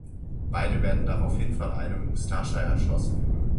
Beide werden daraufhin von einem Ustascha erschossen.